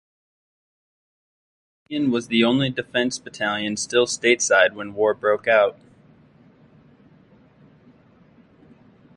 The battalion was the only defense battalion still stateside when war broke out.